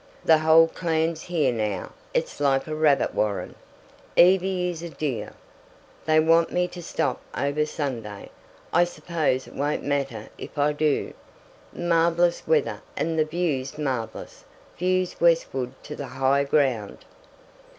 The whole clan's here now it's like a rabbit warren. Evie is a dear. They want me to stop over Sunday I suppose it won't matter if I do. Marvellous weather and the view's marvellous views westward to the high ground.